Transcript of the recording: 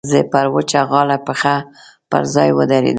زه پر وچه غاړه پښه پر ځای ودرېدم.